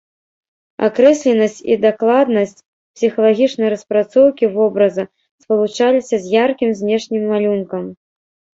Акрэсленасць і дакладнасць псіхалагічнай распрацоўкі вобраза спалучаліся з яркім знешнім малюнкам.